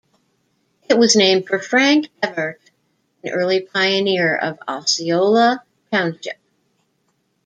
It was named for Frank Evart, an early pioneer of Osceola Township.